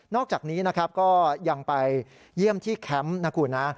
อกจากนี้นะครับก็ยังไปเยี่ยมที่แคมป์นะคุณนะ